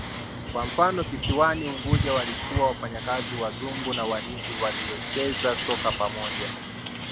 Kwa mfano kisiwani Unguja walikuwa wafanyakazi Wazungu na Wahindi waliocheza soka pamoja